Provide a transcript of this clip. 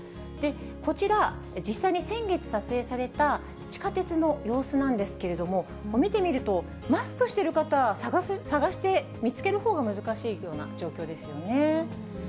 こちら、実際に先月撮影された地下鉄の様子なんですけれども、見てみると、マスクしてる方、探して見つけるほうが難しいような状況ですよね。